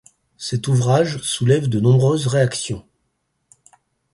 Cet ouvrage soulève de nombreuses réactions.